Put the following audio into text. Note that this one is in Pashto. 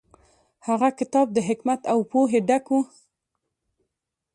هغه کتاب د حکمت او پوهې ډک و.